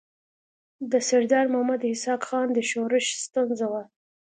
د سردار محمد اسحق خان د ښورښ ستونزه وه.